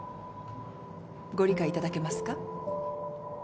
ご理解いただけますか？